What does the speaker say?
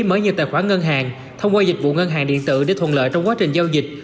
bán ngân hàng thông qua dịch vụ ngân hàng điện tử để thuận lợi trong quá trình giao dịch